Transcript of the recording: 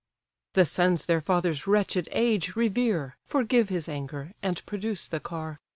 The sons their father's wretched age revere, Forgive his anger, and produce the car.